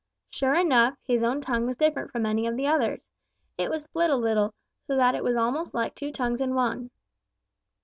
Sure enough, his own tongue was different from any of the others. It was split a little, so that it was almost like two tongues in one.